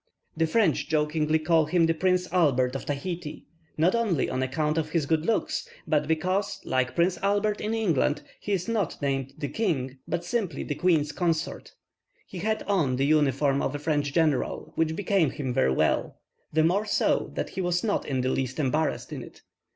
The French jokingly call him the Prince Albert of Tahiti, not only on account of his good looks, but because, like Prince Albert in England, he is not named "the king," but simply, "the queen's consort." He had on the uniform of a French general, which became him very well; the more so, that he was not in the least embarrassed in it.